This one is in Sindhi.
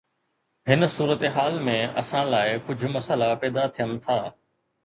هن صورتحال ۾، اسان لاء، ڪجهه مسئلا پيدا ٿين ٿا